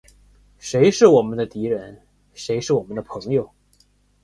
谁是我们的敌人？谁是我们的朋友？